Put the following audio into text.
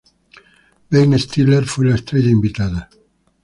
Ben Stiller fue la estrella invitada.